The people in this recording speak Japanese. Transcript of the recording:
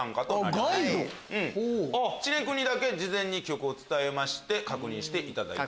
知念君にだけ事前に曲を伝えて確認していただいております。